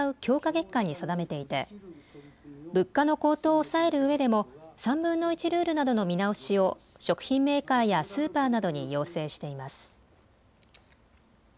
月間に定めていて物価の高騰を抑えるうえでも３分の１ルールなどの見直しを食品メーカーやスーパーなどに要請しています。